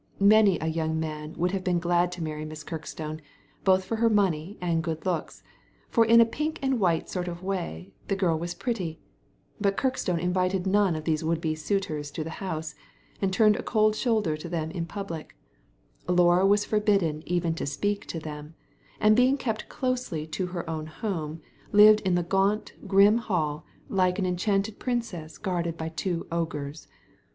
Many a young man would have been glad to marry Miss Kirkstone, both for her money and good looks ; for in a pink and white sort of way the girl was pretty; but Kirkstone invited none of these would be suitors to the house, and turned a cold shoulder to them in public Laura was forbidden even to speak to them ; and being kept closely to her own home, lived in the gaunt, grim Hall, like an enchanted princess guarded by two ogres.